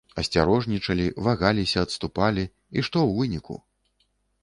Асцярожнічалі, вагаліся, адступалі, і што ў выніку?